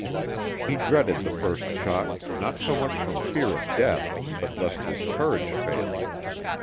He dreaded the first shock, not so much from fear of death; but lest his courage fail.